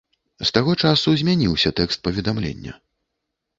З таго часу змяніўся тэкст паведамлення.